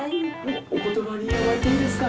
お言葉に甘えていいですか？